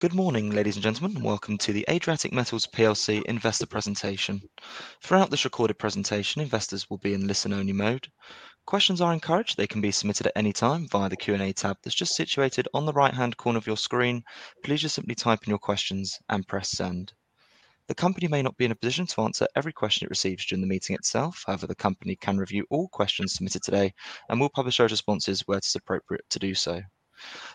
Good morning, ladies and gentlemen. Welcome to the Adriatic Metals PLC investor presentation. Throughout this recorded presentation, investors will be in listen-only mode. Questions are encouraged. They can be submitted at any time via the Q&A tab that's just situated on the right-hand corner of your screen. Please just simply type in your questions and press send. The company may not be in a position to answer every question it receives during the meeting itself. However, the company can review all questions submitted today and will publish those responses where it is appropriate to do so.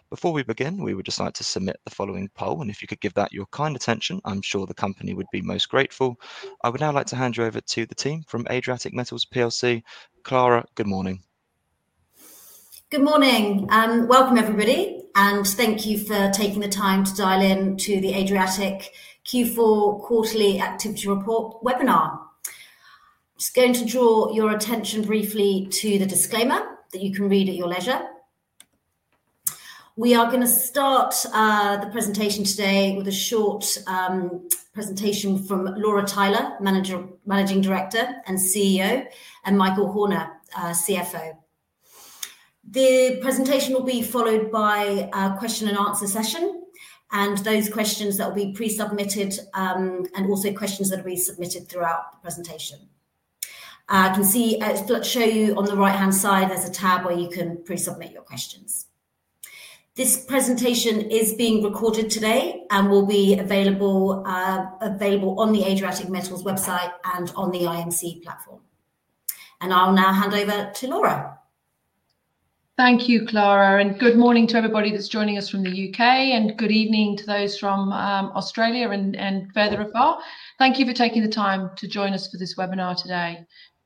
Before we begin, we would just like to submit the following poll, and if you could give that your kind attention, I'm sure the company would be most grateful. I would now like to hand you over to the team from Adriatic Metals PLC. Klara, good morning. Good morning. Welcome, everybody, and thank you for taking the time to dial in to the Adriatic Q4 Quarterly Activities Report webinar. I'm just going to draw your attention briefly to the disclaimer that you can read at your leisure. We are going to start the presentation today with a short presentation from Laura Tyler, Managing Director and CEO, and Michael Horner, CFO. The presentation will be followed by a question-and-answer session, and those questions that will be pre-submitted and also questions that will be submitted throughout the presentation. I can see it'll show you on the right-hand side there's a tab where you can pre-submit your questions. This presentation is being recorded today and will be available on the Adriatic Metals website and on the IMC platform. I'll now hand over to Laura. Thank you, Klara, and good morning to everybody that's joining us from the U.K., and good evening to those from Australia and further afar. Thank you for taking the time to join us for this webinar today.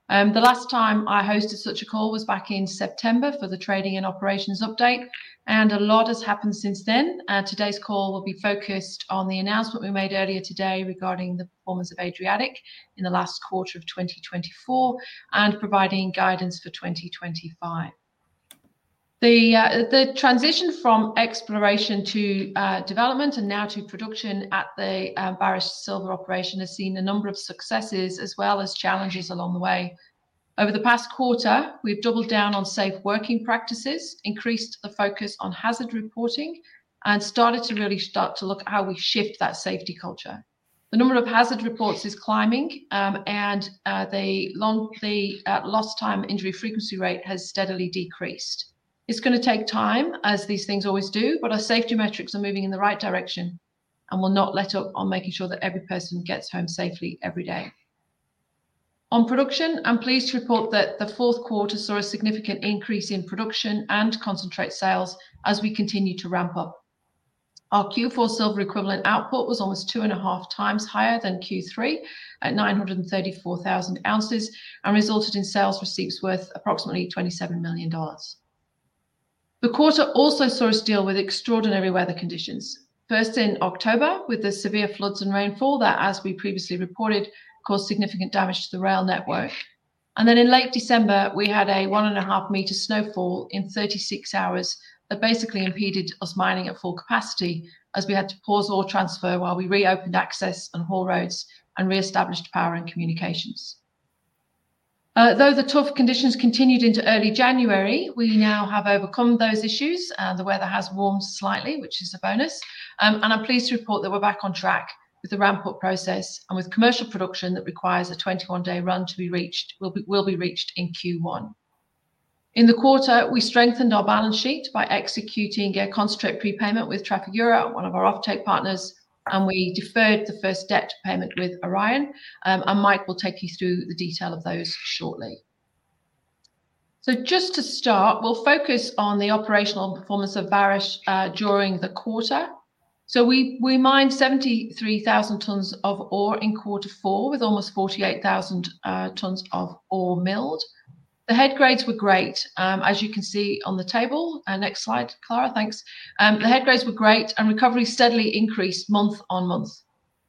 The last time I hosted such a call was back in September for the trading and operations update, and a lot has happened since then. Today's call will be focused on the announcement we made earlier today regarding the performance of Adriatic in the last quarter of 2024 and providing guidance for 2025. The transition from exploration to development and now to production at the Vareš Silver Project has seen a number of successes as well as challenges along the way. Over the past quarter, we've doubled down on safe working practices, increased the focus on hazard reporting, and started to really look at how we shift that safety culture. The number of hazard reports is climbing, and the Lost-Time Injury Frequency Rate has steadily decreased. It's going to take time, as these things always do, but our safety metrics are moving in the right direction and will not let up on making sure that every person gets home safely every day. On production, I'm pleased to report that the fourth quarter saw a significant increase in production and concentrate sales as we continue to ramp up. Our Q4 Silver Equivalent output was almost two and a half times higher than Q3 at 934,000 ounces and resulted in sales receipts worth approximately $27 million. The quarter also saw us deal with extraordinary weather conditions. First in October with the severe floods and rainfall that, as we previously reported, caused significant damage to the rail network. Then in late December, we had a one and a half meter snowfall in 36 hours that basically impeded us mining at full capacity as we had to pause all transfer while we reopened access on haul roads and reestablished power and communications. Though the tough conditions continued into early January, we now have overcome those issues, and the weather has warmed slightly, which is a bonus. I'm pleased to report that we're back on track with the ramp-up process and with commercial production that requires a 21-day run to be reached, will be reached in Q1. In the quarter, we strengthened our balance sheet by executing a concentrate prepayment with Trafigura, one of our offtake partners, and we deferred the first debt payment with Orion. Mike will take you through the detail of those shortly. Just to start, we'll focus on the operational performance of Vareš during the quarter. We mined 73,000 tons of ore in quarter four with almost 48,000 tons of ore milled. The head grades were great, as you can see on the table. Next slide, Klara, thanks. The head grades were great, and recovery steadily increased month on month.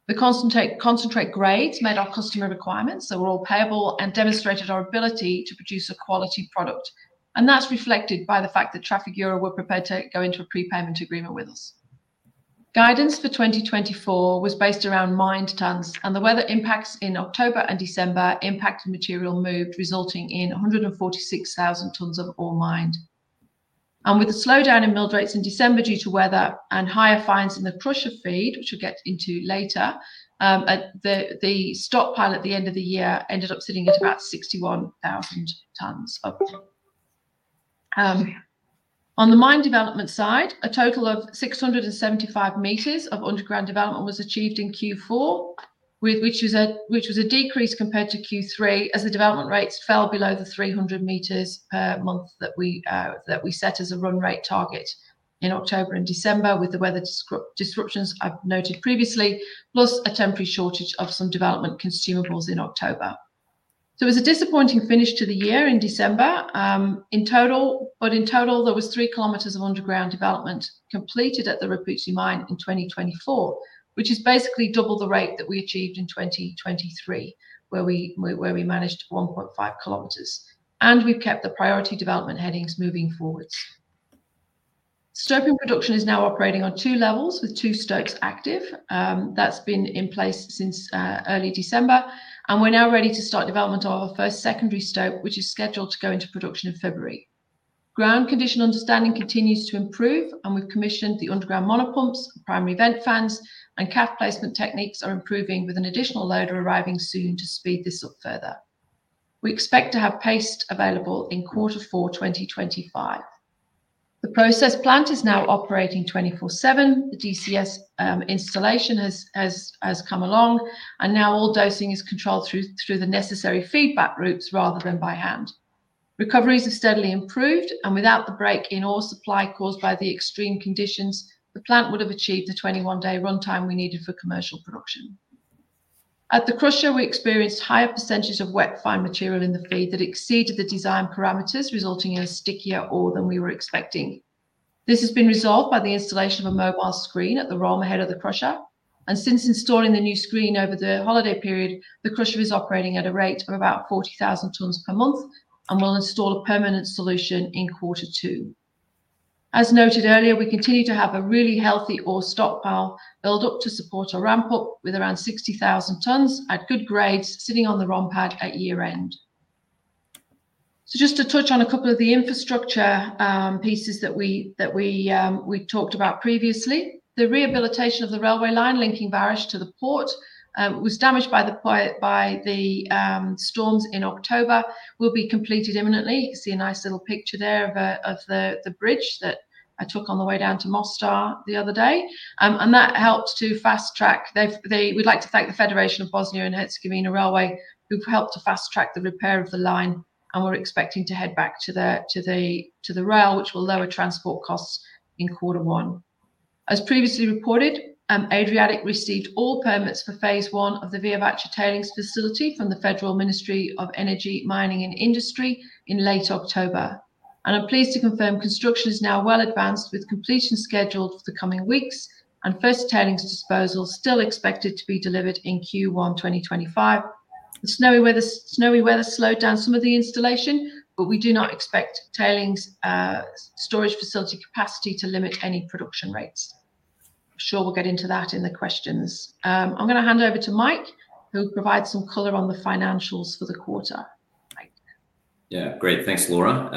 The concentrate grades met our customer requirements, so we're all payable and demonstrated our ability to produce a quality product. That's reflected by the fact that Trafigura were prepared to go into a prepayment agreement with us. Guidance for 2024 was based around mined tons, and the weather impacts in October and December impacted material moved, resulting in 146,000 tons of ore mined. With the slowdown in milled rates in December due to weather and higher fines in the crusher feed, which we'll get into later, the stockpile at the end of the year ended up sitting at about 61,000 tons of ore. On the mine development side, a total of 675 meters of underground development was achieved in Q4, which was a decrease compared to Q3 as the development rates fell below the 300 meters per month that we set as a run rate target in October and December with the weather disruptions I've noted previously, plus a temporary shortage of some development consumables in October. It was a disappointing finish to the year in December. In total, there were three kilometers of underground development completed at the Rupice Mine in 2024, which is basically double the rate that we achieved in 2023, where we managed 1.5 kilometers. We've kept the priority development headings moving forward. Stoping production is now operating on two levels with two stopes active. That's been in place since early December, and we're now ready to start development of our first secondary stope, which is scheduled to go into production in February. Ground condition understanding continues to improve, and we've commissioned the underground Mono Pumps, primary vent fans, and CAF placement techniques are improving with an additional loader arriving soon to speed this up further. We expect to have paste backfill available in quarter four 2025. The process plant is now operating 24/7. The DCS installation has come along, and now all dosing is controlled through the necessary feedback loops rather than by hand. Recoveries have steadily improved, and without the break in ore supply caused by the extreme conditions, the plant would have achieved the 21-day runtime we needed for commercial production. At the crusher, we experienced higher percentages of wet fine material in the feed that exceeded the design parameters, resulting in a stickier ore than we were expecting. This has been resolved by the installation of a mobile screen at the ROM ahead of the crusher. And since installing the new screen over the holiday period, the crusher is operating at a rate of about 40,000 tons per month and will install a permanent solution in quarter two. As noted earlier, we continue to have a really healthy ore stockpile built up to support our ramp-up with around 60,000 tons at good grades sitting on the ROM pad at year-end. So just to touch on a couple of the infrastructure pieces that we talked about previously, the rehabilitation of the railway line linking Vareš to the port was damaged by the storms in October. It will be completed imminently. You can see a nice little picture there of the bridge that I took on the way down to Mostar the other day, and that helped to fast-track. We'd like to thank the Federation of Bosnia and Herzegovina Railways, who've helped to fast-track the repair of the line, and we're expecting to head back to the rail, which will lower transport costs in quarter one. As previously reported, Adriatic received all permits for phase one of the Veovaca tailings facility from the Federal Ministry of Energy, Mining, and Industry in late October, and I'm pleased to confirm construction is now well advanced with completion scheduled for the coming weeks, and first tailings disposal still expected to be delivered in Q1 2025. The snowy weather slowed down some of the installation, but we do not expect tailings storage facility capacity to limit any production rates. I'm sure we'll get into that in the questions. I'm going to hand over to Mike, who will provide some color on the financials for the quarter. Yeah, great. Thanks, Laura.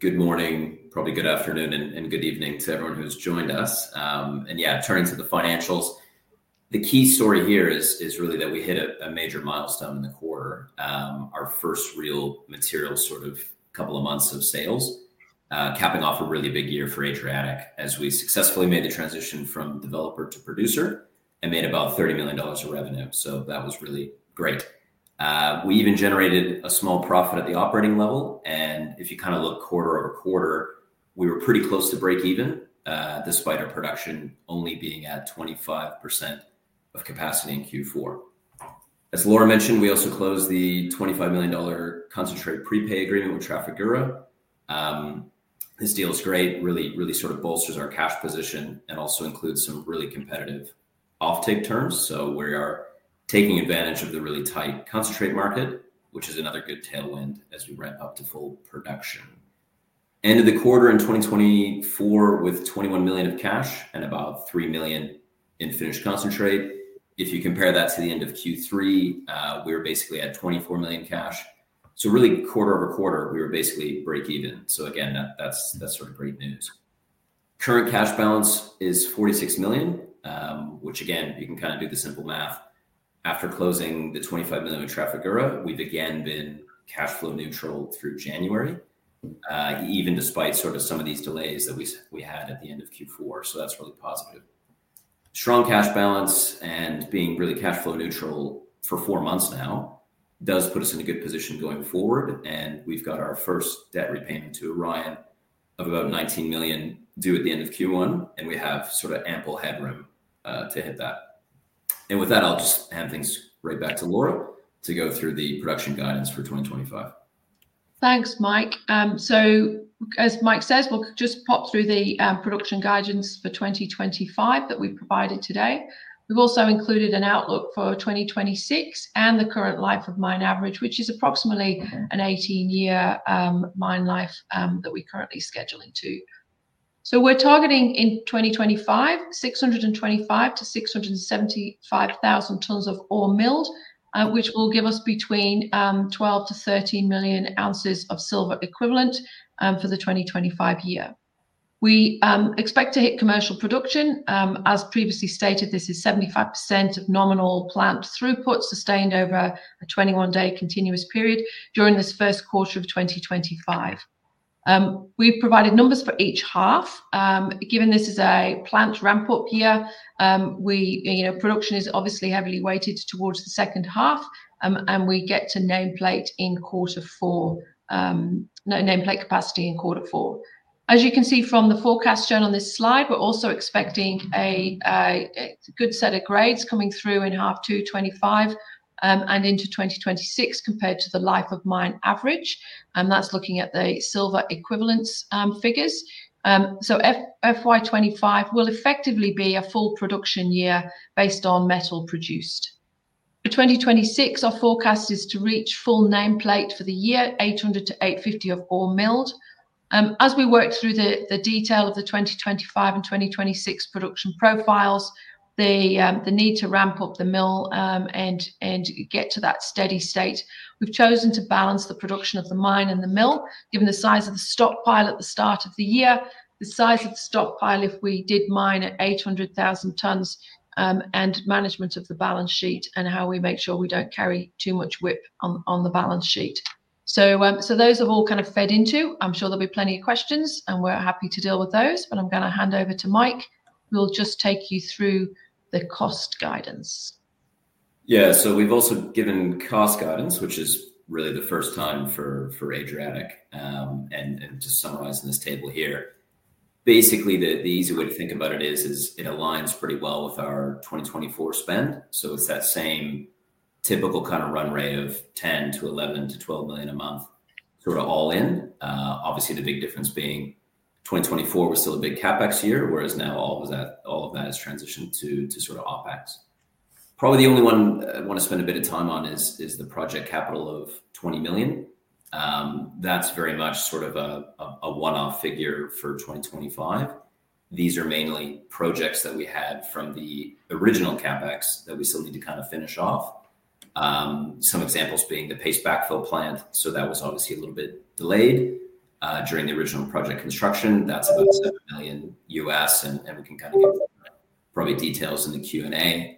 Good morning, probably good afternoon, and good evening to everyone who's joined us. And yeah, turning to the financials, the key story here is really that we hit a major milestone in the quarter, our first real material sort of couple of months of sales, capping off a really big year for Adriatic as we successfully made the transition from developer to producer and made about $30 million of revenue. So that was really great. We even generated a small profit at the operating level. And if you kind of look quarter-over-quarter, we were pretty close to break even despite our production only being at 25% of capacity in Q4. As Laura mentioned, we also closed the $25 million concentrate prepay agreement with Trafigura. This deal is great, really sort of bolsters our cash position and also includes some really competitive offtake terms. So we are taking advantage of the really tight concentrate market, which is another good tailwind as we ramp up to full production. End of the quarter in 2024 with $21 million of cash and about $3 million in finished concentrate. If you compare that to the end of Q3, we were basically at $24 million cash. So really, quarter-over-quarter, we were basically break even. So again, that's sort of great news. Current cash balance is $46 million, which again, you can kind of do the simple math. After closing the $25 million with Trafigura, we've again been cash flow neutral through January, even despite sort of some of these delays that we had at the end of Q4. So that's really positive. Strong cash balance and being really cash flow neutral for four months now does put us in a good position going forward. And we've got our first debt repayment to Orion of about $19 million due at the end of Q1, and we have sort of ample headroom to hit that. And with that, I'll just hand things right back to Laura to go through the production guidance for 2025. Thanks, Mike. So as Mike says, we'll just pop through the production guidance for 2025 that we've provided today. We've also included an outlook for 2026 and the current life of mine average, which is approximately an 18-year mine life that we're currently scheduling to. So we're targeting in 2025, 625,000-675,000 tons of ore milled, which will give us between 12 million-13 million ounces of silver equivalent for the 2025 year. We expect to hit commercial production. As previously stated, this is 75% of nominal plant throughput sustained over a 21-day continuous period during this first quarter of 2025. We've provided numbers for each half. Given this is a plant ramp-up year, production is obviously heavily weighted towards the second half, and we get to nameplate in quarter four, nameplate capacity in quarter four. As you can see from the forecast shown on this slide, we're also expecting a good set of grades coming through in half two 2025 and into 2026 compared to the life of mine average. And that's looking at the silver equivalent figures. So FY25 will effectively be a full production year based on metal produced. For 2026, our forecast is to reach full nameplate for the year, 800 to 850 of ore milled. As we work through the detail of the 2025 and 2026 production profiles, the need to ramp up the mill and get to that steady state, we've chosen to balance the production of the mine and the mill, given the size of the stockpile at the start of the year, the size of the stockpile if we did mine at 800,000 tons, and management of the balance sheet and how we make sure we don't carry too much WIP on the balance sheet, so those have all kind of fed into. I'm sure there'll be plenty of questions, and we're happy to deal with those, but I'm going to hand over to Mike. We'll just take you through the cost guidance. Yeah, so we've also given cost guidance, which is really the first time for Adriatic. And to summarize in this table here, basically the easy way to think about it is it aligns pretty well with our 2024 spend. So it's that same typical kind of run rate of $10 million-$12 million a month sort of all in. Obviously, the big difference being 2024 was still a big CapEx year, whereas now all of that has transitioned to sort of OpEx. Probably the only one I want to spend a bit of time on is the project capital of $20 million. That's very much sort of a one-off figure for 2025. These are mainly projects that we had from the original CapEx that we still need to kind of finish off. Some examples being the paste backfill plant, so that was obviously a little bit delayed during the original project construction. That's about $7 million, and we can kind of get probably details in the Q&A.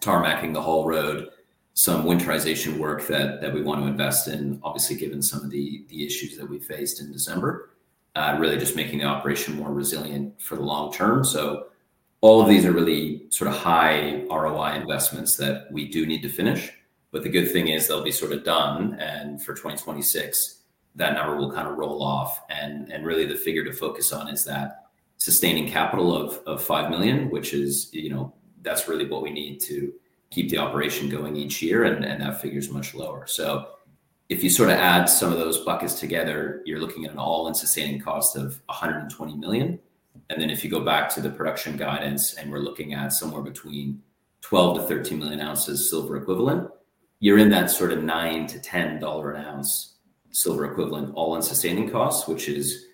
Tarmacking the haul road, some winterization work that we want to invest in, obviously given some of the issues that we faced in December, really just making the operation more resilient for the long term. So all of these are really sort of high ROI investments that we do need to finish. But the good thing is they'll be sort of done, and for 2026, that number will kind of roll off. And really the figure to focus on is that sustaining capital of $5 million, which is that's really what we need to keep the operation going each year, and that figure is much lower. If you sort of add some of those buckets together, you're looking at an all-in sustaining cost of $120 million. Then if you go back to the production guidance and we're looking at somewhere between 12 million-13 million ounces silver equivalent, you're in that sort of $9-$10 an ounce silver equivalent all-in sustaining costs, which is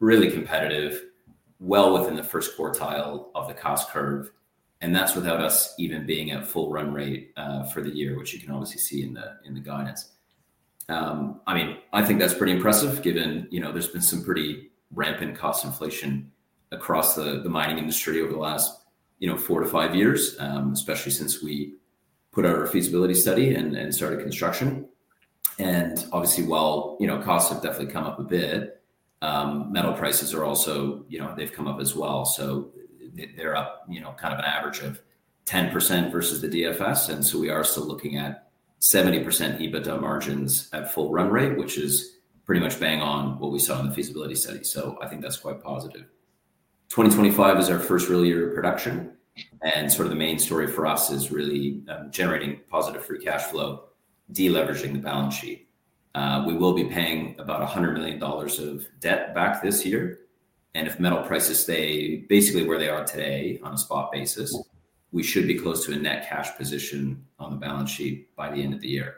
really competitive, well within the first quartile of the cost curve. That's without us even being at full run rate for the year, which you can obviously see in the guidance. I mean, I think that's pretty impressive given there's been some pretty rampant cost inflation across the mining industry over the last four to five years, especially since we put out our feasibility study and started construction. Obviously, while costs have definitely come up a bit, metal prices are also, they've come up as well. So they're up kind of an average of 10% versus the DFS. And so we are still looking at 70% EBITDA margins at full run rate, which is pretty much bang on what we saw in the feasibility study. So I think that's quite positive. 2025 is our first real year of production, and sort of the main story for us is really generating positive free cash flow, deleveraging the balance sheet. We will be paying about $100 million of debt back this year. And if metal prices stay basically where they are today on a spot basis, we should be close to a net cash position on the balance sheet by the end of the year.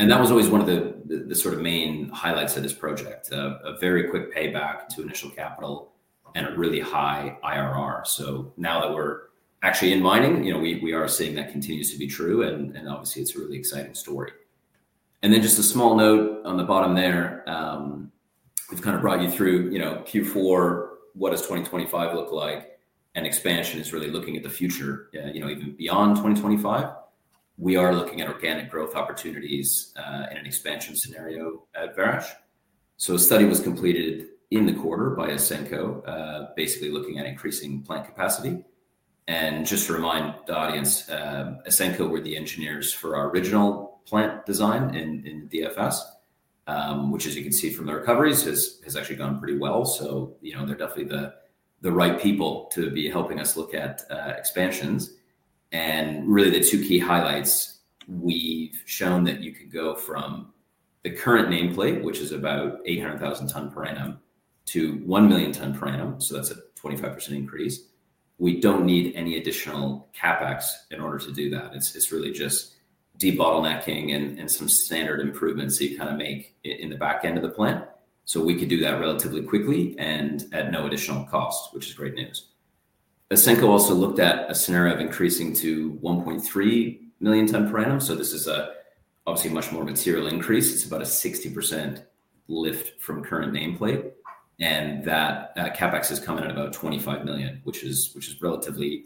And that was always one of the sort of main highlights of this project, a very quick payback to initial capital and a really high IRR. So now that we're actually in mining, we are seeing that continues to be true, and obviously, it's a really exciting story. And then just a small note on the bottom there, we've kind of brought you through Q4, what does 2025 look like? And expansion is really looking at the future, even beyond 2025. We are looking at organic growth opportunities in an expansion scenario at Vareš. So a study was completed in the quarter by Ausenco, basically looking at increasing plant capacity. And just to remind the audience, Ausenco were the engineers for our original plant design in the DFS, which, as you can see from the recoveries, has actually gone pretty well. So they're definitely the right people to be helping us look at expansions. Really, the two key highlights, we've shown that you can go from the current nameplate, which is about 800,000 tonnes per annum, to 1 million tonnes per annum. That's a 25% increase. We don't need any additional CapEx in order to do that. It's really just debottlenecking and some standard improvements that you kind of make in the back end of the plant. We could do that relatively quickly and at no additional cost, which is great news. Ausenco also looked at a scenario of increasing to 1.3 million tonnes per annum. This is obviously a much more material increase. It's about a 60% lift from current nameplate. That CapEx is coming at about $25 million, which is relatively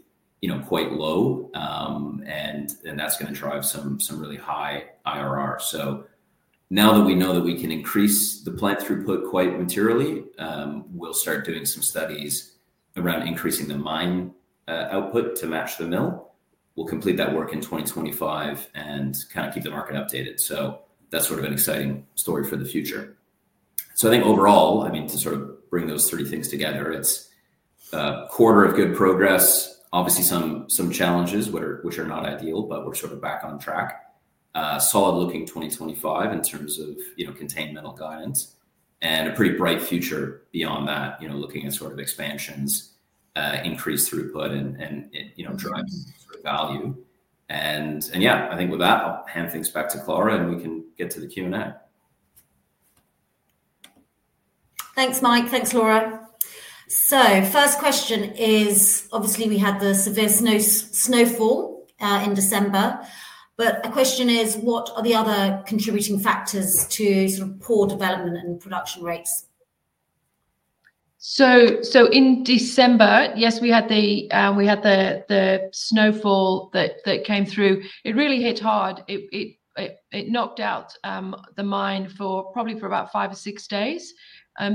quite low, and that's going to drive some really high IRR. So now that we know that we can increase the plant throughput quite materially, we'll start doing some studies around increasing the mine output to match the mill. We'll complete that work in 2025 and kind of keep the market updated. That's sort of an exciting story for the future. I think overall, I mean, to sort of bring those three things together, it's a quarter of good progress, obviously some challenges, which are not ideal, but we're sort of back on track, solid looking 2025 in terms of contained metal guidance, and a pretty bright future beyond that, looking at sort of expansions, increased throughput, and driving value. Yeah, I think with that, I'll hand things back to Klara, and we can get to the Q&A. Thanks, Mike. Thanks, Laura. First question is, obviously, we had the severe snowfall in December, but a question is, what are the other contributing factors to sort of poor development and production rates? So in December, yes, we had the snowfall that came through. It really hit hard. It knocked out the mine for probably about five or six days.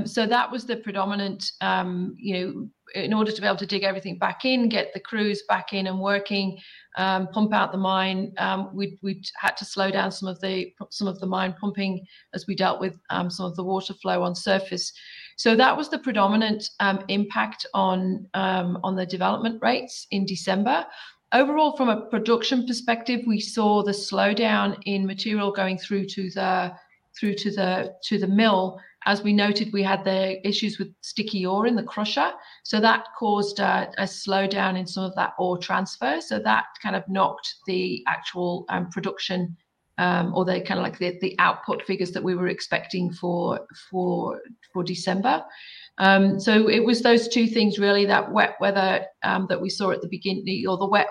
So that was the predominant in order to be able to dig everything back in, get the crews back in and working, pump out the mine. We had to slow down some of the mine pumping as we dealt with some of the water flow on surface. So that was the predominant impact on the development rates in December. Overall, from a production perspective, we saw the slowdown in material going through to the mill. As we noted, we had the issues with sticky ore in the crusher. So that caused a slowdown in some of that ore transfer. So that kind of knocked the actual production or the kind of like the output figures that we were expecting for December. It was those two things really, that wet weather that we saw at the beginning or the wet,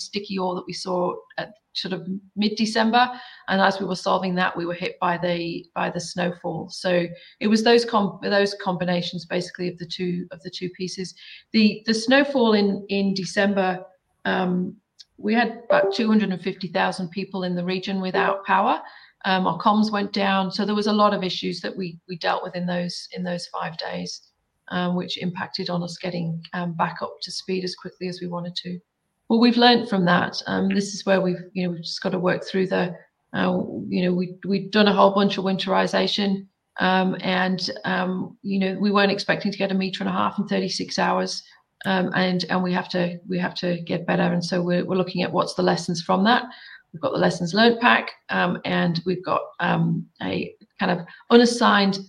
sticky ore that we saw at sort of mid-December. And as we were solving that, we were hit by the snowfall. So it was those combinations basically of the two pieces. The snowfall in December, we had about 250,000 people in the region without power. Our comms went down. So there was a lot of issues that we dealt with in those five days, which impacted on us getting back up to speed as quickly as we wanted to. Well, we've learned from that. This is where we've just got to work through that. We've done a whole bunch of winterization, and we weren't expecting to get a meter and a half in 36 hours, and we have to get better. And so we're looking at what's the lessons from that. We've got the lessons learned pack, and we've got a kind of unassigned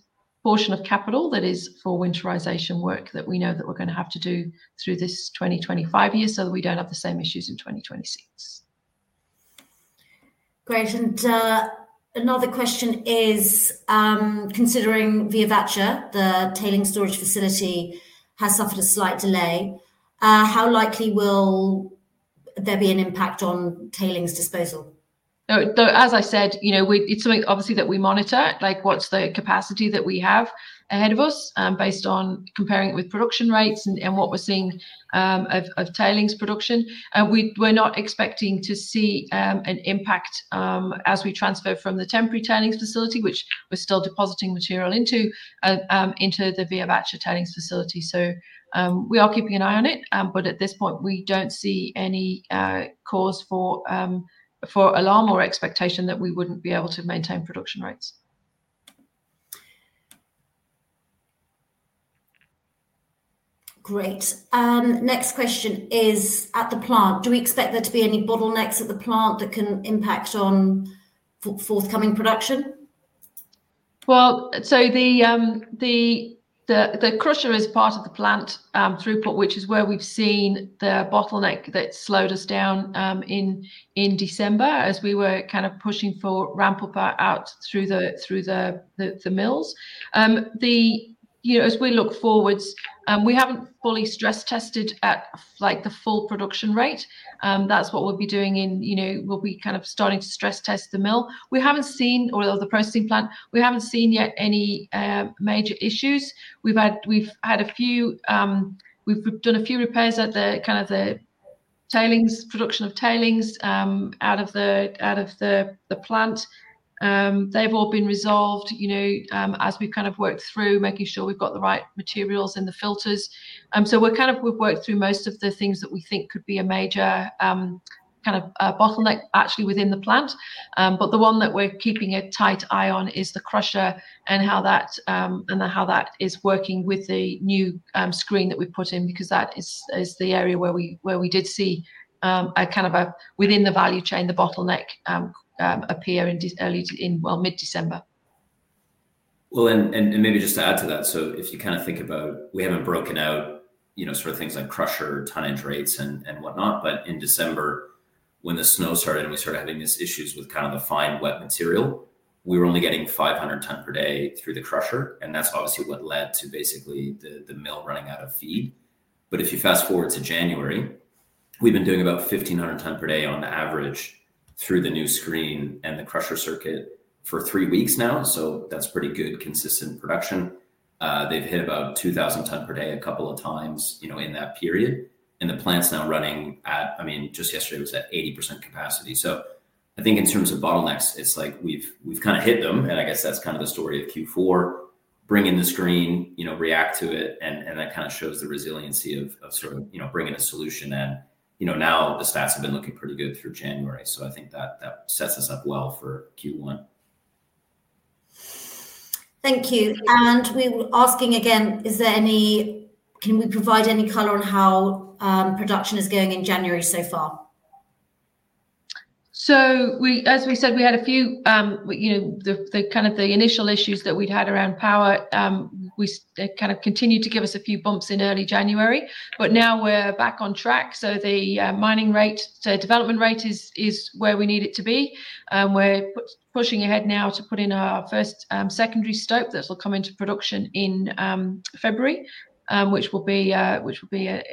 portion of capital that is for winterization work that we know that we're going to have to do through this 2025 year so that we don't have the same issues in 2026. Great. And another question is, considering Veovaca, the tailings storage facility, has suffered a slight delay, how likely will there be an impact on tailings disposal? As I said, it's something obviously that we monitor, like what's the capacity that we have ahead of us based on comparing it with production rates and what we're seeing of tailings production. We're not expecting to see an impact as we transfer from the temporary tailings facility, which we're still depositing material into the Veovaca tailings facility. So we are keeping an eye on it, but at this point, we don't see any cause for alarm or expectation that we wouldn't be able to maintain production rates. Great. Next question is, at the plant, do we expect there to be any bottlenecks at the plant that can impact on forthcoming production? The crusher is part of the plant throughput, which is where we've seen the bottleneck that slowed us down in December as we were kind of pushing for ramp up out through the mills. As we look forwards, we haven't fully stress tested at the full production rate. That's what we'll be doing. We'll be kind of starting to stress test the mill. We haven't seen, or the processing plant, yet any major issues. We've done a few repairs at the kind of tailings production out of the plant. They've all been resolved as we've kind of worked through making sure we've got the right materials in the filters. We've worked through most of the things that we think could be a major kind of bottleneck actually within the plant. But the one that we're keeping a tight eye on is the crusher and how that is working with the new screen that we've put in because that is the area where we did see a kind of within the value chain, the bottleneck appear early in, well, mid-December. And maybe just to add to that, so if you kind of think about we haven't broken out sort of things like crusher, tonnage rates, and whatnot, but in December, when the snow started and we started having these issues with kind of the fine wet material, we were only getting 500 ton per day through the crusher. And that's obviously what led to basically the mill running out of feed. But if you fast forward to January, we've been doing about 1,500 ton per day on average through the new screen and the crusher circuit for three weeks now. So that's pretty good consistent production. They've hit about 2,000 ton per day a couple of times in that period. And the plant's now running at, I mean, just yesterday was at 80% capacity. So I think in terms of bottlenecks, it's like we've kind of hit them. I guess that's kind of the story of Q4, bring in the screen, react to it, and that kind of shows the resiliency of sort of bringing a solution. Now the stats have been looking pretty good through January. I think that sets us up well for Q1. Thank you. And we were asking again, can we provide any color on how production is going in January so far? As we said, we had a few of the kind of initial issues that we'd had around power. They kind of continued to give us a few bumps in early January. But now we're back on track. The mining rate, so development rate is where we need it to be. We're pushing ahead now to put in our first secondary stope that will come into production in February, which will be a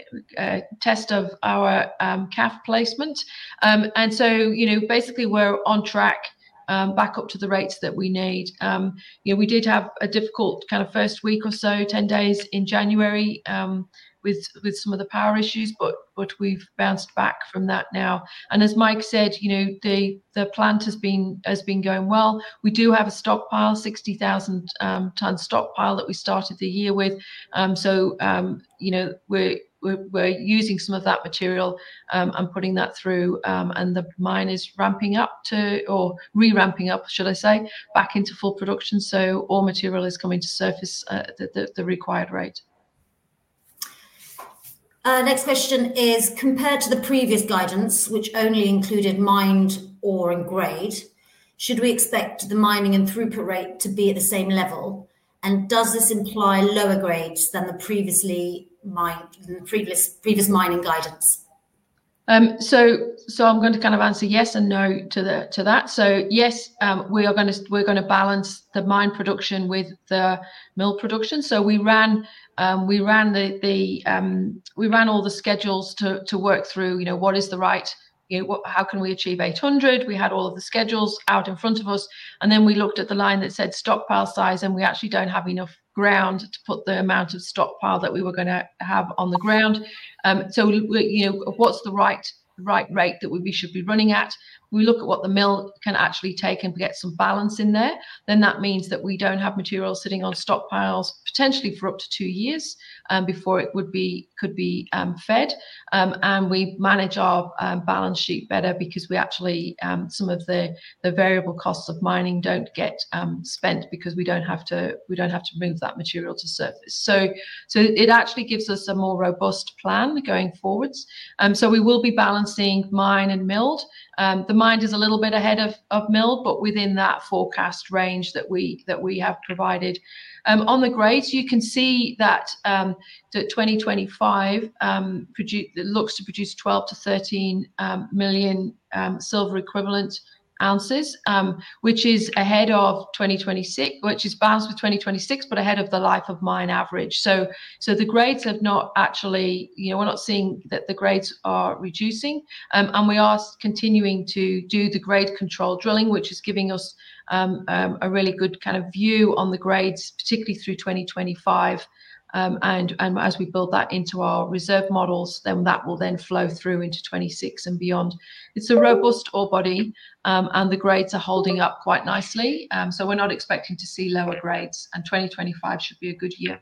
test of our backfill placement. And so basically, we're on track back up to the rates that we need. We did have a difficult kind of first week or so, 10 days in January with some of the power issues, but we've bounced back from that now. As Mike said, the plant has been going well. We do have a stockpile, 60,000-ton stockpile that we started the year with. So we're using some of that material and putting that through. And the mine is ramping up to or re-ramping up, should I say, back into full production. So all material is coming to surface at the required rate. Next question is, compared to the previous guidance, which only included mined ore and grade, should we expect the mining and throughput rate to be at the same level? And does this imply lower grades than the previous mining guidance? I'm going to kind of answer yes and no to that. Yes, we're going to balance the mine production with the mill production. We ran all the schedules to work through what is the right how can we achieve 800. We had all of the schedules out in front of us. Then we looked at the line that said stockpile size, and we actually don't have enough ground to put the amount of stockpile that we were going to have on the ground. What's the right rate that we should be running at? We look at what the mill can actually take and get some balance in there. Then that means that we don't have material sitting on stockpiles potentially for up to two years before it could be fed. And we manage our balance sheet better because some of the variable costs of mining don't get spent because we don't have to move that material to surface. So it actually gives us a more robust plan going forward. So we will be balancing mine and milled. The mine is a little bit ahead of milled, but within that forecast range that we have provided. On the grades, you can see that 2025 looks to produce 12 million-13 million silver equivalent ounces, which is ahead of 2026, which is balanced with 2026, but ahead of the life of mine average. So the grades have not actually, we're not seeing that the grades are reducing. And we are continuing to do the grade control drilling, which is giving us a really good kind of view on the grades, particularly through 2025. And as we build that into our reserve models, then that will then flow through into 2026 and beyond. It's a robust ore body, and the grades are holding up quite nicely. So we're not expecting to see lower grades, and 2025 should be a good year.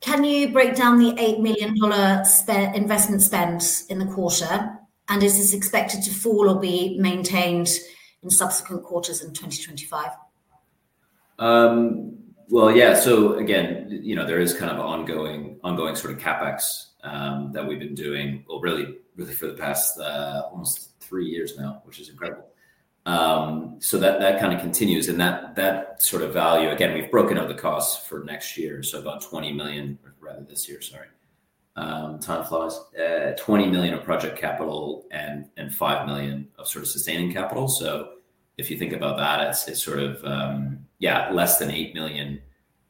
Can you break down the $8 million investment spend in the quarter? And is this expected to fall or be maintained in subsequent quarters in 2025? Yeah. So again, there is kind of an ongoing sort of CapEx that we've been doing, well, really for the past almost three years now, which is incredible. So that kind of continues. And that sort of value, again, we've broken out the costs for next year, so about $20 million or rather this year, sorry. Time flies. $20 million of project capital and $5 million of sort of sustaining capital. So if you think about that as sort of, yeah, less than $8 million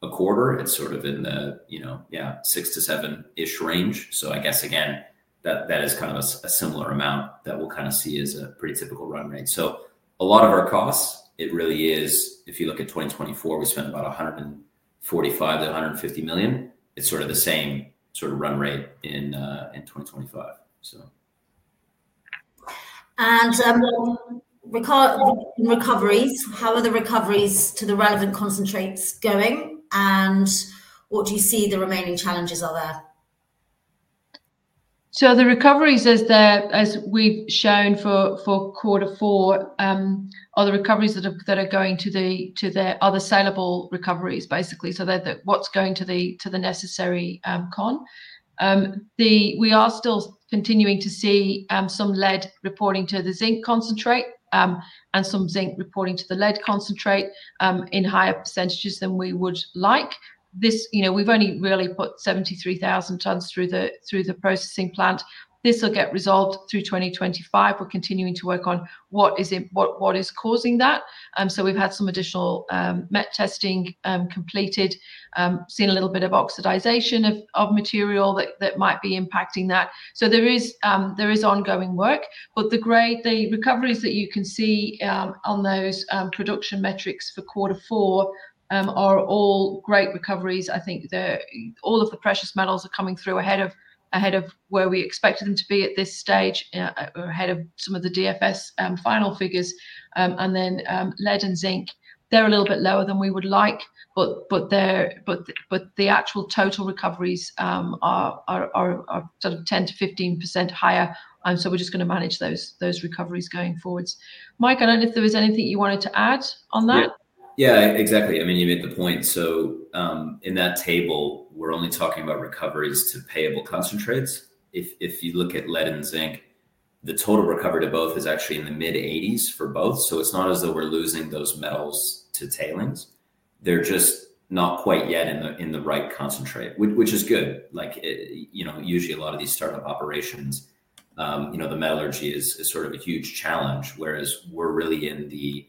a quarter, it's sort of in the, yeah, six to seven -ish range. So I guess, again, that is kind of a similar amount that we'll kind of see as a pretty typical run rate. So a lot of our costs, it really is, if you look at 2024, we spent about $145 million-$150 million. It's sort of the same sort of run rate in 2025, so. Recoveries, how are the recoveries to the relevant concentrates going? What do you see the remaining challenges are there? So the recoveries, as we've shown for quarter four, are the recoveries that are going to the other saleable recoveries, basically. So what's going to the necessary con? We are still continuing to see some lead reporting to the zinc concentrate and some zinc reporting to the lead concentrate in higher percentages than we would like. We've only really put 73,000 tons through the processing plant. This will get resolved through 2025. We're continuing to work on what is causing that. So we've had some additional met testing completed, seen a little bit of oxidation of material that might be impacting that. So there is ongoing work. But the recoveries that you can see on those production metrics for quarter four are all great recoveries. I think all of the precious metals are coming through ahead of where we expected them to be at this stage or ahead of some of the DFS final figures. And then lead and zinc, they're a little bit lower than we would like, but the actual total recoveries are sort of 10%-15% higher. And so we're just going to manage those recoveries going forwards. Mike, I don't know if there was anything you wanted to add on that? Yeah, exactly. I mean, you made the point. So in that table, we're only talking about recoveries to payable concentrates. If you look at lead and zinc, the total recovery to both is actually in the mid-80s for both. So it's not as though we're losing those metals to tailings. They're just not quite yet in the right concentrate, which is good. Usually, a lot of these startup operations, the metallurgy is sort of a huge challenge, whereas we're really in the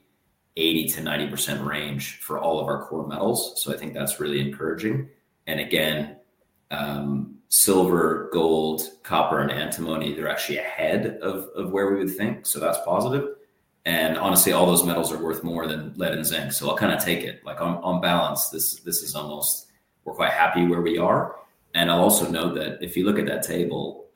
80%-90% range for all of our core metals. So I think that's really encouraging. And again, silver, gold, copper, and antimony, they're actually ahead of where we would think. So that's positive. And honestly, all those metals are worth more than lead and zinc. So I'll kind of take it. On balance, this is almost we're quite happy where we are. I'll also note that if you look at that table,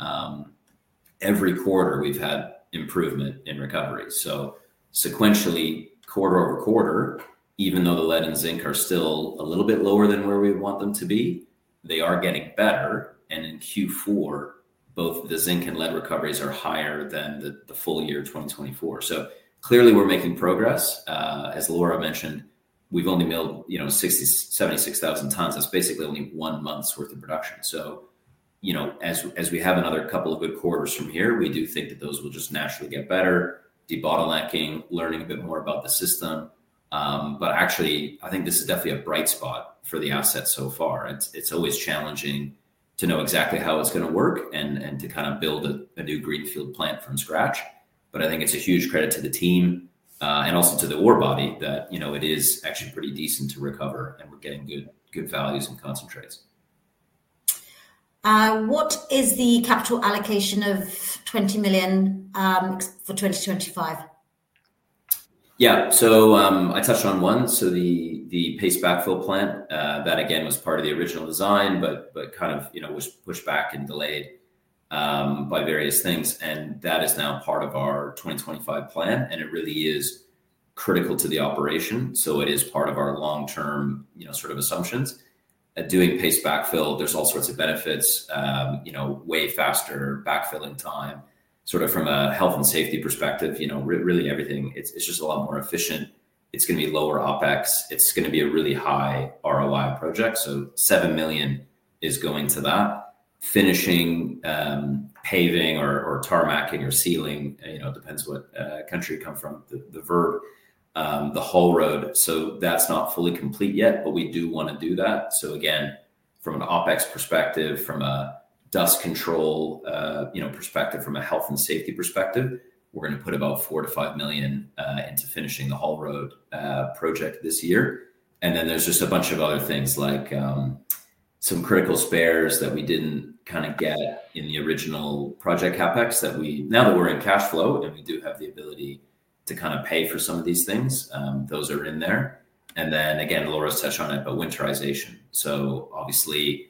every quarter, we've had improvement in recoveries. So sequentially, quarter-over-quarter, even though the lead and zinc are still a little bit lower than where we want them to be, they are getting better. And in Q4, both the zinc and lead recoveries are higher than the full year 2024. So clearly, we're making progress. As Laura mentioned, we've only milled 76,000 tons. That's basically only one month's worth of production. So as we have another couple of good quarters from here, we do think that those will just naturally get better, debottlenecking, learning a bit more about the system. But actually, I think this is definitely a bright spot for the asset so far. It's always challenging to know exactly how it's going to work and to kind of build a new greenfield plant from scratch. But I think it's a huge credit to the team and also to the ore body that it is actually pretty decent to recover, and we're getting good values and concentrates. What is the capital allocation of $20 million for 2025? Yeah. So I touched on one. So the paste backfill plant, that again was part of the original design, but kind of was pushed back and delayed by various things. And that is now part of our 2025 plan. And it really is critical to the operation. So it is part of our long-term sort of assumptions. At doing paste backfill, there's all sorts of benefits, way faster backfilling time. Sort of from a health and safety perspective, really everything, it's just a lot more efficient. It's going to be lower OpEx. It's going to be a really high ROI project. So $7 million is going to that. Finishing, paving or tarmac or sealing, it depends what country you come from, the verb, the haul road. So that's not fully complete yet, but we do want to do that. So again, from an OpEx perspective, from a dust control perspective, from a health and safety perspective, we're going to put about $4 million-$5 million into finishing the haul road project this year. And then there's just a bunch of other things like some critical spares that we didn't kind of get in the original project CapEx that we now that we're in cash flow and we do have the ability to kind of pay for some of these things, those are in there. And then again, Laura's touched on it, but winterization. So obviously,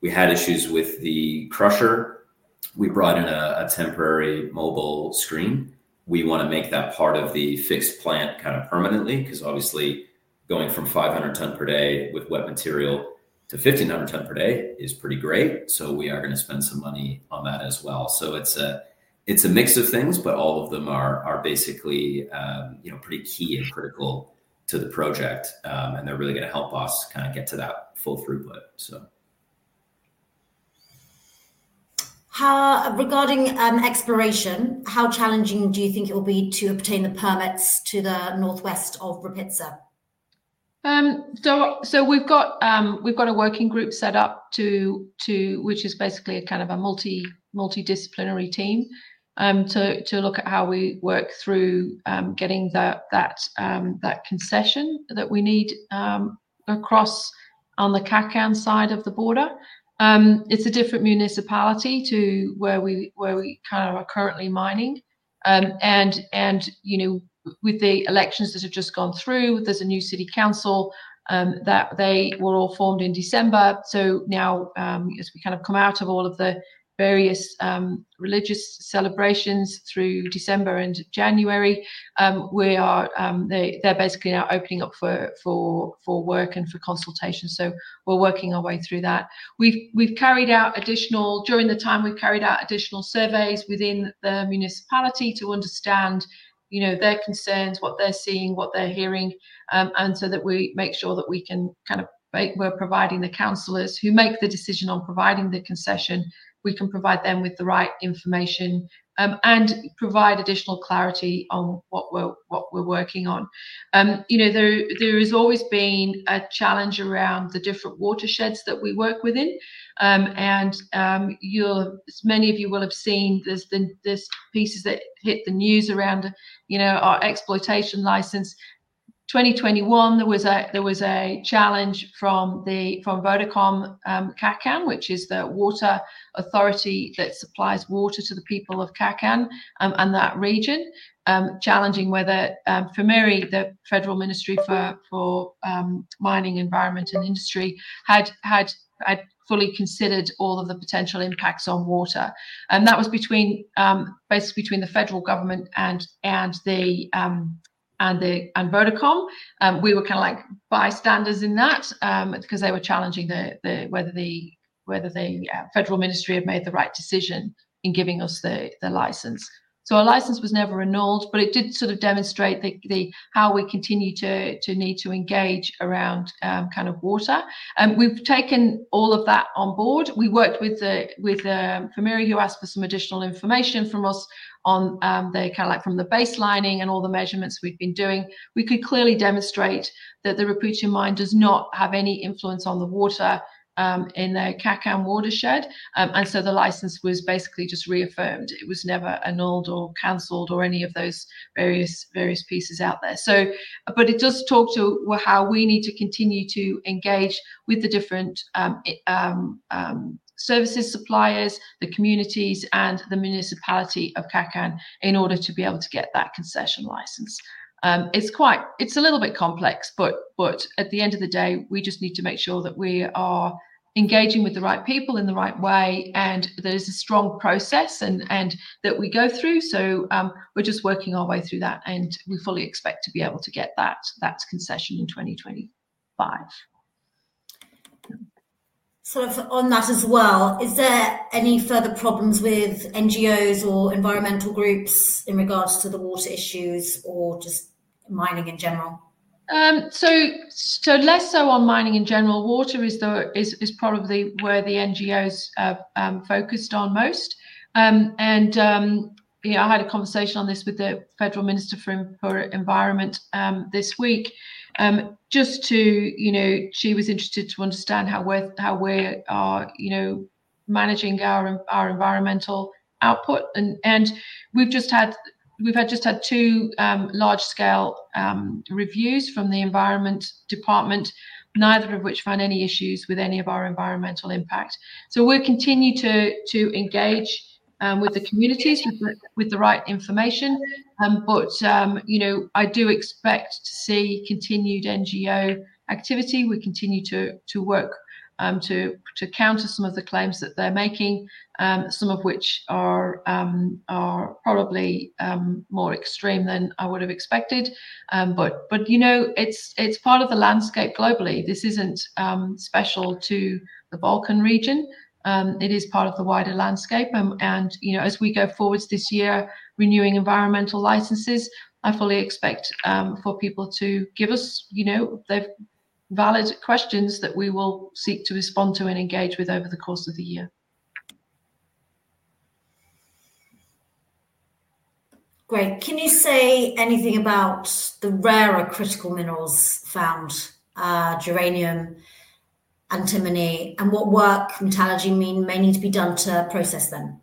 we had issues with the crusher. We brought in a temporary mobile screen. We want to make that part of the fixed plant kind of permanently because obviously, going from 500 ton per day with wet material to 1,500 ton per day is pretty great. So we are going to spend some money on that as well. So it's a mix of things, but all of them are basically pretty key and critical to the project. And they're really going to help us kind of get to that full throughput, so. Regarding exploration, how challenging do you think it will be to obtain the permits to the northwest of Rupice? So we've got a working group set up, which is basically kind of a multidisciplinary team, to look at how we work through getting that concession that we need across on the Kakanj side of the border. It's a different municipality to where we kind of are currently mining. And with the elections that have just gone through, there's a new city council that they were all formed in December. So now, as we kind of come out of all of the various religious celebrations through December and January, they're basically now opening up for work and for consultation. So we're working our way through that. We've carried out additional surveys within the municipality to understand their concerns, what they're seeing, what they're hearing, and so that we make sure that we can kind of we're providing the councillors who make the decision on providing the concession, we can provide them with the right information and provide additional clarity on what we're working on. There has always been a challenge around the different watersheds that we work within. Many of you will have seen there's pieces that hit the news around our exploitation license. In 2021, there was a challenge from Vodokom Kakanj, which is the water authority that supplies water to the people of Kakanj and that region, challenging whether FMERI, the Federal Ministry of Energy, Mining and Industry, had fully considered all of the potential impacts on water. That was basically between the federal government and Vodokom Kakanj. We were kind of like bystanders in that because they were challenging whether the Federal Ministry had made the right decision in giving us the license. So our license was never annulled, but it did sort of demonstrate how we continue to need to engage around kind of water. We've taken all of that on board. We worked with FMERI, who asked for some additional information from us on kind of like from the baselining and all the measurements we've been doing. We could clearly demonstrate that the Rupice Mine does not have any influence on the water in the Kakanj watershed. And so the license was basically just reaffirmed. It was never annulled or cancelled or any of those various pieces out there. But it does talk to how we need to continue to engage with the different services suppliers, the communities, and the municipality of Kakanj in order to be able to get that concession license. It's a little bit complex, but at the end of the day, we just need to make sure that we are engaging with the right people in the right way, and there is a strong process that we go through. So we're just working our way through that, and we fully expect to be able to get that concession in 2025. Sort of on that as well, is there any further problems with NGOs or environmental groups in regards to the water issues or just mining in general? So less so on mining in general. Water is probably where the NGOs are focused on most. And I had a conversation on this with the Federal Minister for Environment this week. Just she was interested to understand how we are managing our environmental output. And we've just had two large-scale reviews from the Environment Department, neither of which found any issues with any of our environmental impact. So we'll continue to engage with the communities with the right information. But I do expect to see continued NGO activity. We continue to work to counter some of the claims that they're making, some of which are probably more extreme than I would have expected. But it's part of the landscape globally. This isn't special to the Balkan region. It is part of the wider landscape. As we go forward this year, renewing environmental licenses, I fully expect for people to give us valid questions that we will seek to respond to and engage with over the course of the year. Great. Can you say anything about the rarer critical minerals found, germanium, antimony, and what work metallurgy may need to be done to process them?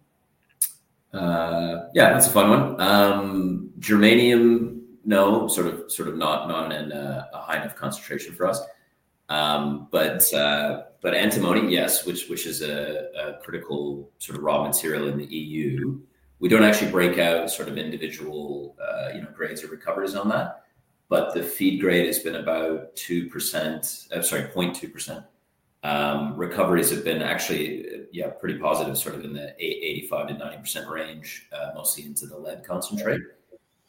Yeah, that's a fun one. Germanium, no, sort of not in a high enough concentration for us. But antimony, yes, which is a critical sort of raw material in the EU. We don't actually break out sort of individual grades or recoveries on that. But the feed grade has been about 2%, sorry, 0.2%. Recoveries have been actually pretty positive, sort of in the 85%-90% range, mostly into the lead concentrate.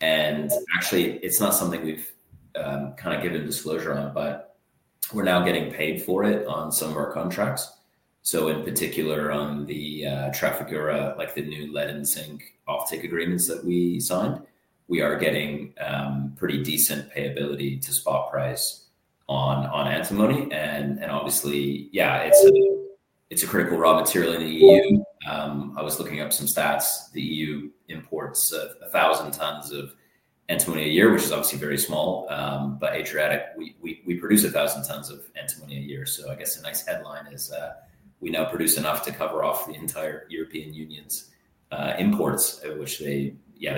And actually, it's not something we've kind of given disclosure on, but we're now getting paid for it on some of our contracts. So in particular, on the Trafigura, like the new lead and zinc offtake agreements that we signed, we are getting pretty decent payability to spot price on antimony. And obviously, yeah, it's a critical raw material in the EU. I was looking up some stats. The EU imports 1,000 tons of antimony a year, which is obviously very small. But Adriatic, we produce 1,000 tons of antimony a year. So I guess a nice headline is we now produce enough to cover off the entire European Union's imports, which they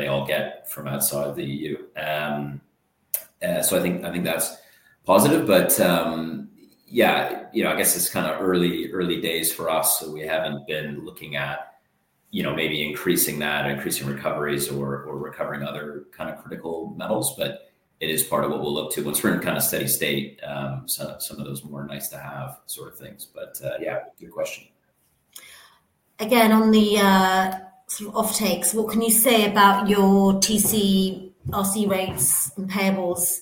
all get from outside the EU. So I think that's positive. But yeah, I guess it's kind of early days for us. So we haven't been looking at maybe increasing that, increasing recoveries, or recovering other kind of critical metals. But it is part of what we'll look to. Once we're in kind of steady state, some of those more nice-to-have sort of things. But yeah, good question. Again, on the offtakes, what can you say about your TC, RC rates, and payables,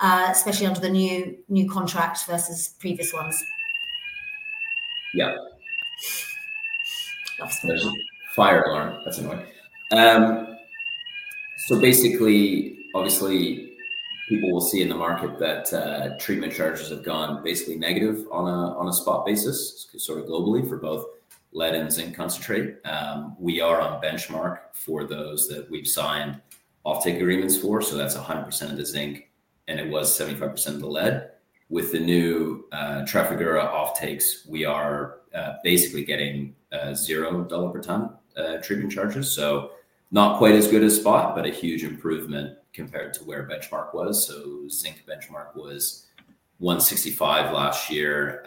especially under the new contract versus previous ones? Yeah. There's a fire alarm. That's annoying. So basically, obviously, people will see in the market that treatment charges have gone basically negative on a spot basis, sort of globally for both lead and zinc concentrate. We are on benchmark for those that we've signed offtake agreements for. So that's 100% of the zinc, and it was 75% of the lead. With the new Trafigura offtakes, we are basically getting $0 per ton treatment charges. So not quite as good as spot, but a huge improvement compared to where benchmark was. So zinc benchmark was $165 last year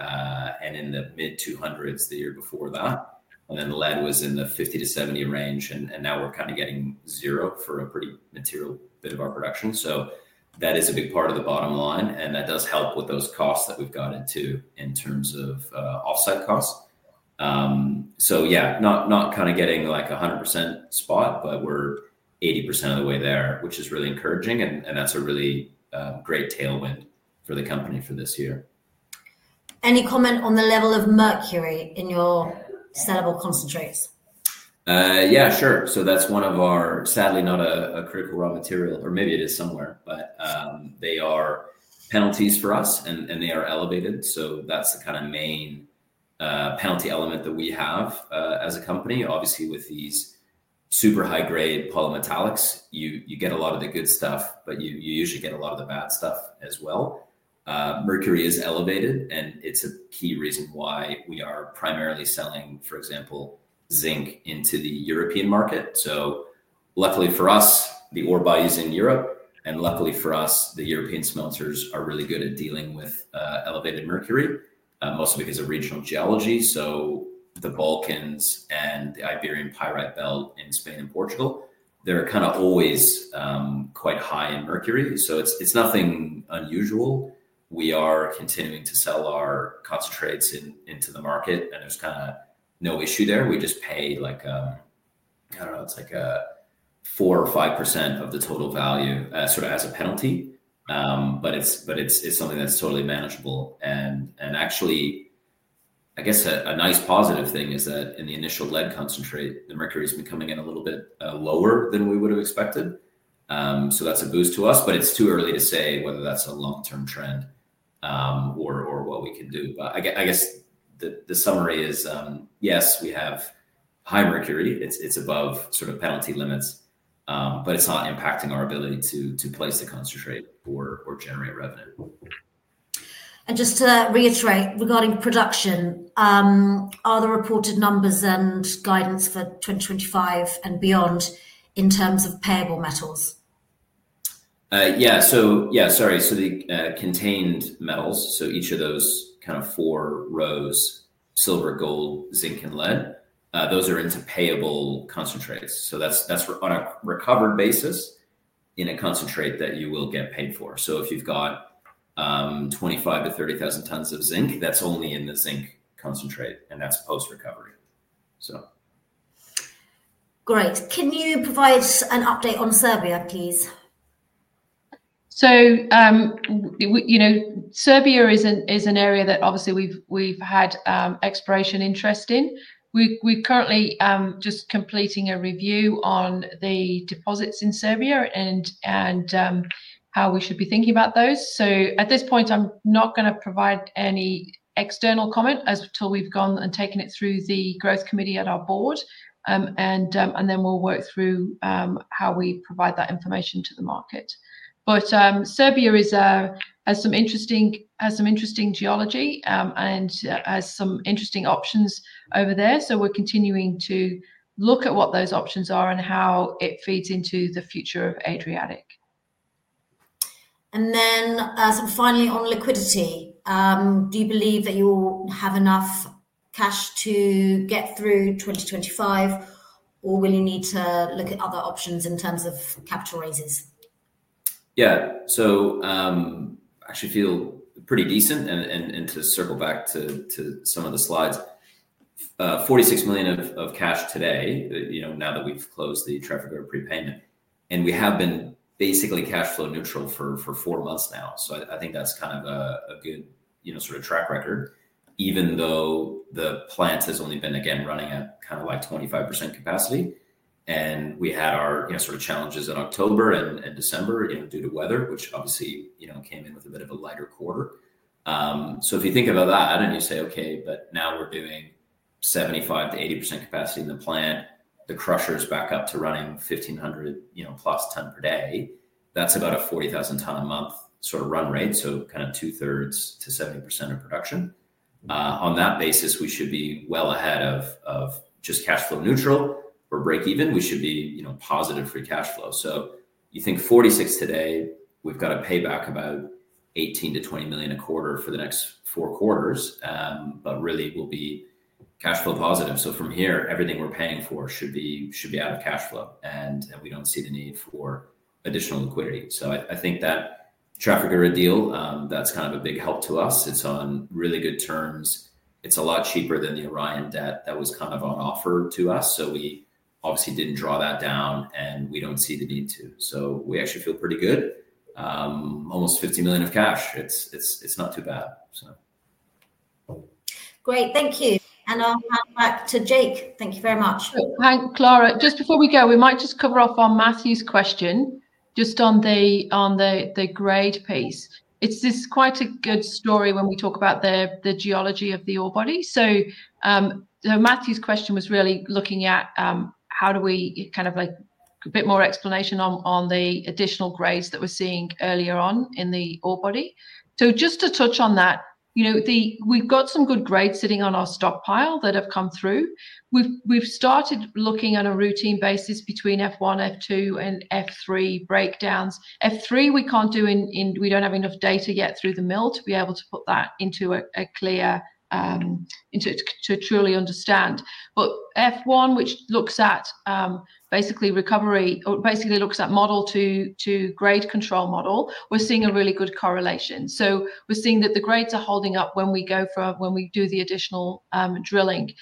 and in the mid-200s the year before that. And then lead was in the 50-to-70 range. And now we're kind of getting $0 for a pretty material bit of our production. So that is a big part of the bottom line. And that does help with those costs that we've got into in terms of offsite costs. So yeah, not kind of getting like 100% spot, but we're 80% of the way there, which is really encouraging. And that's a really great tailwind for the company for this year. Any comment on the level of mercury in your sellable concentrates? Yeah, sure. So that's one of our, sadly, not a critical raw material, or maybe it is somewhere, but they are penalties for us, and they are elevated. So that's the kind of main penalty element that we have as a company. Obviously, with these super high-grade polymetallics, you get a lot of the good stuff, but you usually get a lot of the bad stuff as well. Mercury is elevated, and it's a key reason why we are primarily selling, for example, zinc into the European market. So luckily for us, the ore bodies in Europe, and luckily for us, the European smelters are really good at dealing with elevated mercury, mostly because of regional geology. So the Balkans and the Iberian Pyrite Belt in Spain and Portugal, they're kind of always quite high in mercury. So it's nothing unusual. We are continuing to sell our concentrates into the market, and there's kind of no issue there. We just pay like, I don't know, it's like 4% or 5% of the total value sort of as a penalty. But it's something that's totally manageable. And actually, I guess a nice positive thing is that in the initial lead concentrate, the mercury has been coming in a little bit lower than we would have expected. So that's a boost to us, but it's too early to say whether that's a long-term trend or what we can do. But I guess the summary is, yes, we have high mercury. It's above sort of penalty limits, but it's not impacting our ability to place the concentrate or generate revenue. Just to reiterate regarding production, are the reported numbers and guidance for 2025 and beyond in terms of payable metals? Yeah. Sorry. So the contained metals, so each of those kind of four rows, silver, gold, zinc, and lead, those are into payable concentrates. So that's on a recovered basis in a concentrate that you will get paid for. So if you've got 25-30,000 tons of zinc, that's only in the zinc concentrate, and that's post-recovery, so. Great. Can you provide an update on Serbia, please? So Serbia is an area that obviously we've had exploration interest in. We're currently just completing a review on the deposits in Serbia and how we should be thinking about those. So at this point, I'm not going to provide any external comment until we've gone and taken it through the Growth Committee at our board, and then we'll work through how we provide that information to the market. But Serbia has some interesting geology and has some interesting options over there. So we're continuing to look at what those options are and how it feeds into the future of Adriatic. Finally, on liquidity, do you believe that you'll have enough cash to get through 2025, or will you need to look at other options in terms of capital raises? Yeah. So I actually feel pretty decent. And to circle back to some of the slides, $46 million of cash today, now that we've closed the Trafigura prepayment. And we have been basically cash flow neutral for four months now. So I think that's kind of a good sort of track record, even though the plant has only been, again, running at kind of like 25% capacity. And we had our sort of challenges in October and December due to weather, which obviously came in with a bit of a lighter quarter. So if you think about that and you say, "Okay, but now we're doing 75%-80% capacity in the plant, the crusher is back up to running 1,500-plus tons per day." That's about a 40,000-ton-a-month sort of run rate, so kind of two-thirds to 70% of production. On that basis, we should be well ahead of just cash flow neutral or break-even. We should be positive free cash flow. So you think $46 million today, we've got to pay back about $18 million-$20 million a quarter for the next four quarters, but really we'll be cash flow positive. So from here, everything we're paying for should be out of cash flow, and we don't see the need for additional liquidity. So I think that Trafigura deal, that's kind of a big help to us. It's on really good terms. It's a lot cheaper than the Orion debt that was kind of on offer to us. So we obviously didn't draw that down, and we don't see the need to. So we actually feel pretty good. Almost $50 million of cash. It's not too bad, so. Great. Thank you. I'll hand back to Jake. Thank you very much. Hi, Klara. Just before we go, we might just cover off on Matthew's question just on the grade piece. It's quite a good story when we talk about the geology of the ore body. So Matthew's question was really looking at how do we kind of get a bit more explanation on the additional grades that we're seeing earlier on in the ore body. So just to touch on that, we've got some good grades sitting on our stockpile that have come through. We've started looking at a routine basis between F1, F2, and F3 breakdowns. F3, we can't do it. We don't have enough data yet through the mill to be able to put that into a clear to truly understand. But F1, which looks at basically recovery or basically looks at model to grade control model, we're seeing a really good correlation. We're seeing that the grades are holding up when we do the additional drilling. But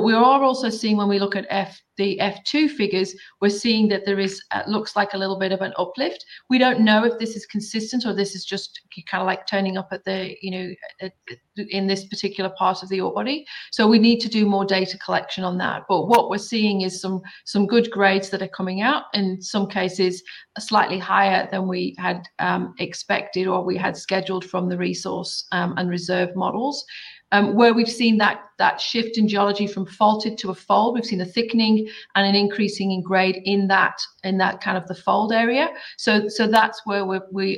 we are also seeing when we look at the F2 figures, we're seeing that there looks like a little bit of an uplift. We don't know if this is consistent or this is just kind of like turning up in this particular part of the ore body. We need to do more data collection on that. But what we're seeing is some good grades that are coming out in some cases slightly higher than we had expected or we had scheduled from the resource and reserve models. Where we've seen that shift in geology from faulted to a fold, we've seen a thickening and an increasing in grade in that kind of the fold area. So that's where we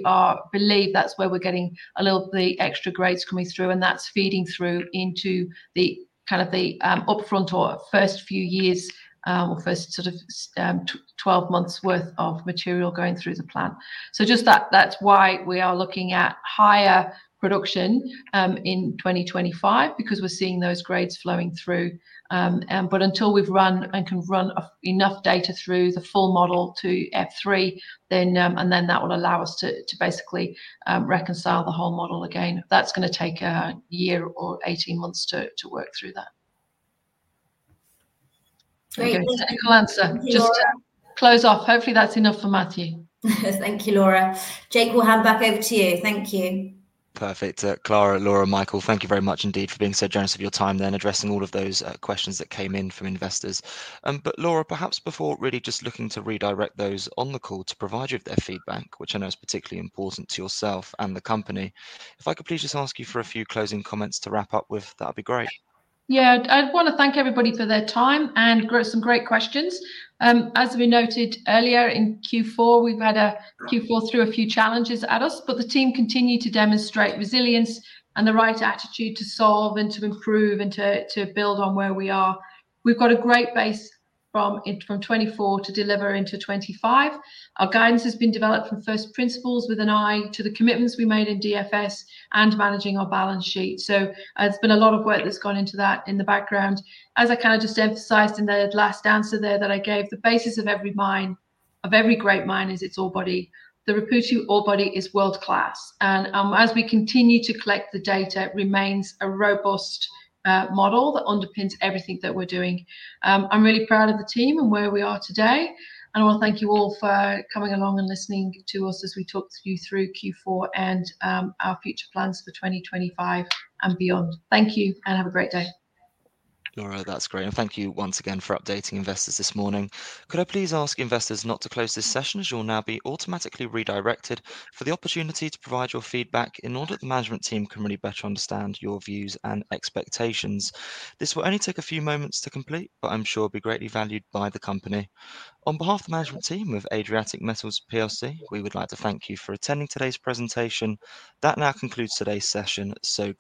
believe we're getting a little bit of the extra grades coming through, and that's feeding through into the kind of the upfront or first few years or first sort of 12 months' worth of material going through the plant. So just that's why we are looking at higher production in 2025 because we're seeing those grades flowing through. But until we've run and can run enough data through the full model to F3, and then that will allow us to basically reconcile the whole model again. That's going to take a year or 18 months to work through that. Great. Technical answer. Just to close off, hopefully that's enough for Matthew. Thank you, Laura. Jake, we'll hand back over to you. Thank you. Perfect. Klara, Laura, Michael, thank you very much indeed for being so generous of your time then addressing all of those questions that came in from investors. But Laura, perhaps before really just looking to redirect those on the call to provide you with their feedback, which I know is particularly important to yourself and the company, if I could please just ask you for a few closing comments to wrap up with, that would be great. Yeah. I want to thank everybody for their time and some great questions. As we noted earlier in Q4, we've had a Q4 that threw a few challenges at us, but the team continued to demonstrate resilience and the right attitude to solve and to improve and to build on where we are. We've got a great base from 2024 to deliver into 2025. Our guidance has been developed from first principles with an eye to the commitments we made in DFS and managing our balance sheet. So it's been a lot of work that's gone into that in the background. As I kind of just emphasized in the last answer there that I gave, the basis of every mine, of every great mine is its ore body. The Rupice ore body is world-class. And as we continue to collect the data, it remains a robust model that underpins everything that we're doing. I'm really proud of the team and where we are today. And I want to thank you all for coming along and listening to us as we talked you through Q4 and our future plans for 2025 and beyond. Thank you and have a great day. Laura, that's great. And thank you once again for updating investors this morning. Could I please ask investors not to close this session as you'll now be automatically redirected for the opportunity to provide your feedback in order that the management team can really better understand your views and expectations? This will only take a few moments to complete, but I'm sure it'll be greatly valued by the company. On behalf of the management team of Adriatic Metals PLC, we would like to thank you for attending today's presentation. That now concludes today's session. So.